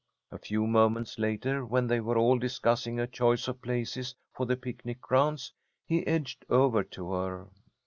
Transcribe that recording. A few moments later, when they were all discussing a choice of places for the picnic grounds, he edged over to her.